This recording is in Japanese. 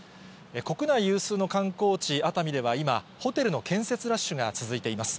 国内有数の観光地、熱海では今、ホテルの建設ラッシュが続いています。